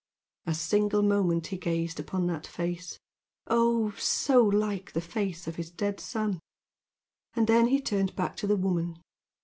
A single moment he gazed upon that face Oh, so like the face of his dead son and then he turned back to the woman.